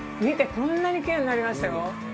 こんなにきれいになりましたよ。